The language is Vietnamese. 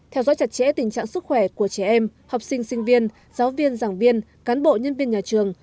theo dõi chặt chẽ tình trạng sức khỏe của trẻ em học sinh sinh viên giáo viên giảng viên cán bộ nhân viên nhà trường